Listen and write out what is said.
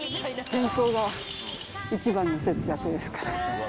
健康が一番の節約ですから。